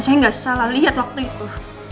saya nggak salah lihat waktu itu